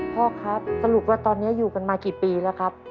พ่อครับสรุปว่าตอนนี้อยู่กันมากี่ปีแล้วครับ